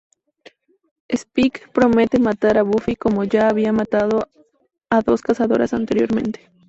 Spike promete matar a Buffy como ya había matado a dos Cazadoras anteriormente.